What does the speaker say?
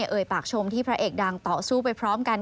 เอ่ยปากชมที่พระเอกดังต่อสู้ไปพร้อมกัน